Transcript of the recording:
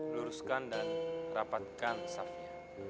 luruskan dan rapatkan safya